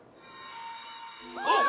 あっ！